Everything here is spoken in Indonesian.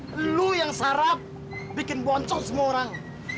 loh lo yang sarap bikin boncok semua orang